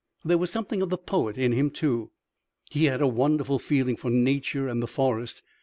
There was something of the poet in him too. He had a wonderful feeling for nature and the forest.